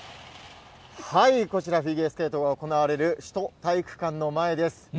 こちら、フィギュアスケートが行われる首都体育館の前です。